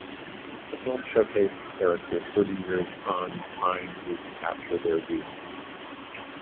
The film showcased the characters thirty years on trying to recapture their youth.